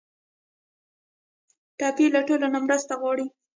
ټپي له ټولو نه مرسته غواړي.